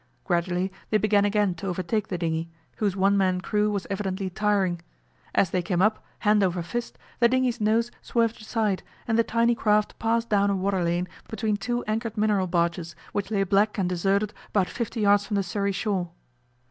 Gradually they began again to overtake the dinghy, whose one man crew was evidently tiring. As they came up, hand over fist, the dinghy's nose swerved aside, and the tiny craft passed down a water lane between two anchored mineral barges, which lay black and deserted about fifty yards from the Surrey shore.